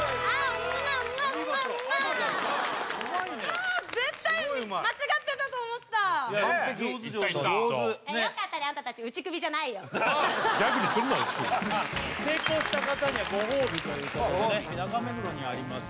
うまいね絶対間違ってたと思った完璧上手よかったね成功した方にはご褒美ということでね中目黒にあります